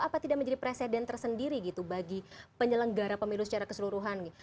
apa tidak menjadi presiden tersendiri gitu bagi penyelenggara pemilu secara keseluruhan